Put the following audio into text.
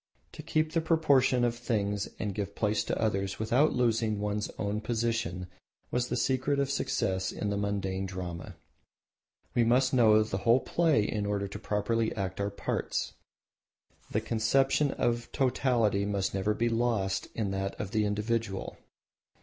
To keep the proportion of things and give place to others without losing one's own position was the secret of success in the mundane drama. We must know the whole play in order to properly act our parts; the conception of totality must never be lost in that of the individual.